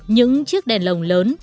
những chiếc đèn lồng lớn